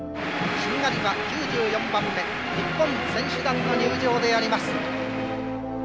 「しんがりは９４番目日本選手団の入場であります」。